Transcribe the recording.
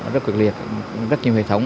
rất quyệt liệt rất nhiều hệ thống